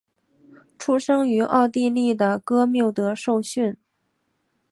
出生于奥地利的哥穆德受训。